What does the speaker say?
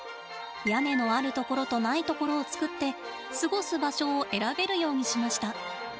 屋根のある所とない所を作って過ごす場所を選べるようにしました。